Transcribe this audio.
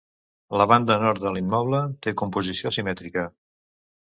La banda nord de l'immoble té composició simètrica.